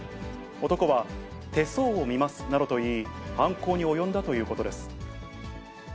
男は手相を見ますなどと言い、犯行に及んだということです。